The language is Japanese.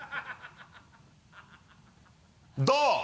どう？